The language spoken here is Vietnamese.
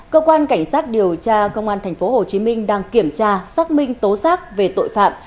cơ quan cảnh sát điều tra công an tp hcm đang kiểm tra xác minh tố giác về tội phạm